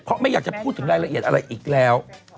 เพราะไม่อยากจะพูดถึงรายละเอียดอะไรอีกแล้ว